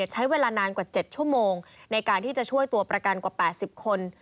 ใช้เวลานานกว่า๗ชั่วโมงในการที่จะช่วยตัวประกันกว่า๘๐คน